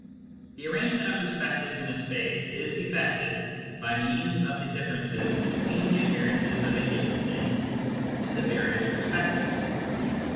The arrangement of perspectives in a space is effected by means of the differences between the appearances of a given thing in the various perspectives.